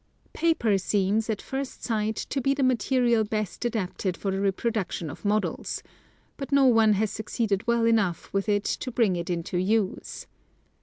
Paper seems, at first sight, to be the material best adapted for the reproduction of models ; but no one has succeeded well enough with it to bring it into use.